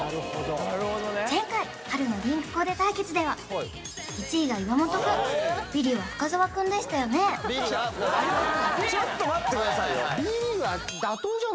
・なるほど前回春のリンクコーデ対決では１位が岩本くんビリは深澤くんでしたよねいやちょっと待ってくださいよ